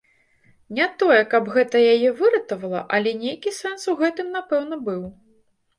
Не тое, каб гэта яе выратавала, але нейкі сэнс у гэтым, напэўна, быў.